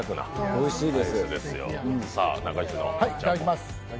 おいしいです。